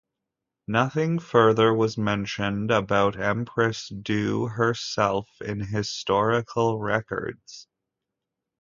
Nothing further was mentioned about Empress Du herself in historical records.